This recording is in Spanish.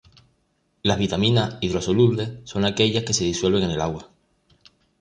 Las vitaminas hidrosolubles son aquellas que se disuelven en agua.